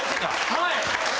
はい！